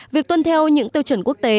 việc tuân theo những tiêu chuẩn quốc tế